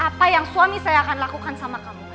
apa yang suami saya akan lakukan sama kamu